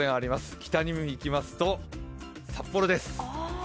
北国に行きますと、札幌です。